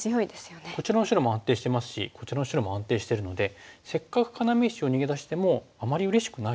こちらの白も安定してますしこちらの白も安定してるのでせっかく要石を逃げ出してもあまりうれしくないですよね。